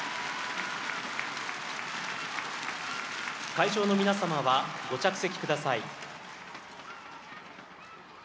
会場の皆様はご着席ください。